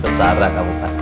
tentara kamu kan